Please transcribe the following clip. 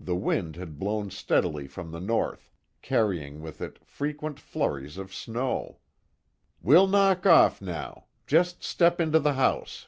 The wind had blown steadily from the north, carrying with it frequent flurries of snow. "We'll knock off now. Just step into the house."